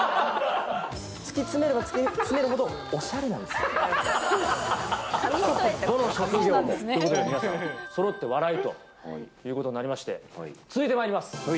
突き詰めれば突き詰めるほど、おしゃれなんですよ。ということで皆さん、そろって笑いということになりまして、続いてまいります。